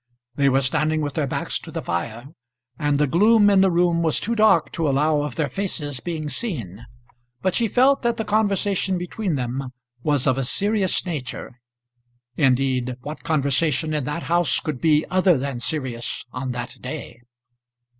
They were standing with their backs to the fire, and the gloom in the room was too dark to allow of their faces being seen, but she felt that the conversation between them was of a serious nature. Indeed what conversation in that house could be other than serious on that day?